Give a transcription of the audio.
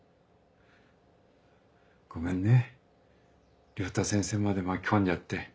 ごめんね良太先生まで巻き込んじゃって。